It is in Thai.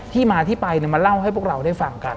ที่มาที่ไปมาเล่าให้พวกเราได้ฟังกัน